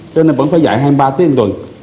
cho nên vẫn phải dạy hai mươi ba tiếng anh tuần